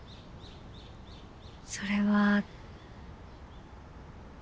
それは。